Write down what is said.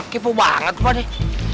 kepo banget kok deh